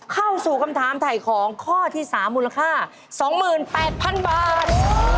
เข้าสู่คำถามถ่ายของข้อที่๓มูลค่า๒๘๐๐๐บาท